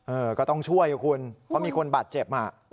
เออก็ต้องช่วยคุณเพราะมีคนบาดเจ็บอ่ะ